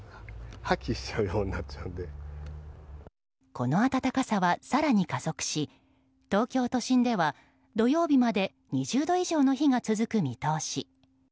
この暖かさは、更に加速し東京都心では土曜日まで２０度以上の日が続く見通し。